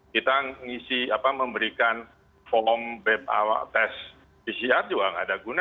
kita memberikan form test pcr juga tidak ada gunanya